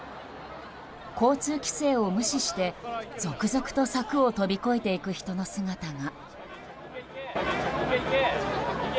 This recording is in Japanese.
交通規制を無視して続々と柵を飛び越えていく人の姿が。